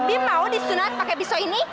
abi mau disunat pake pisau ini